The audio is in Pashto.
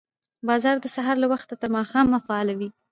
بازار د سهار له وخته تر ماښامه فعال وي